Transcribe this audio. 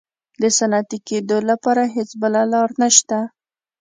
د صنعتي کېدو لپاره هېڅ بله لار نشته.